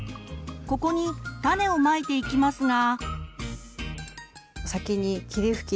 ここに種をまいていきますが。